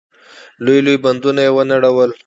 لوی لوی بندونه يې ونړول.